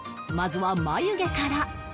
まずは眉毛から